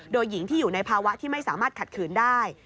โดยหญิงที่อยู่ในภาวะที่ไม่สามารถขัดขืนได้